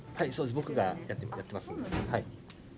僕がやってます。